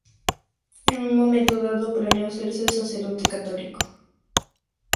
En un momento dado, planeó hacerse sacerdote católico.